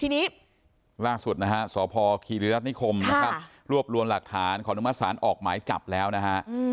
ทีนี้ล่าสุดนะคะสพคิริรัตนิคมรวบรวมหลักฐานขอดุมศาสน์ออกหมายจับแล้วนะคะ